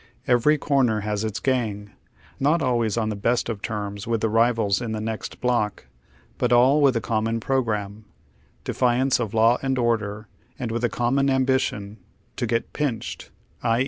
Every corner has its gang, not always on the best of terms with the rivals in the next block, but all with a common programme : defiance of law and order, and with a common ambition : to get " pinched," i.